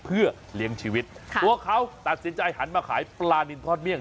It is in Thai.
เพื่อเลี้ยงชีวิตตัวเขาตัดสินใจหันมาขายปลานินทอดเมี่ย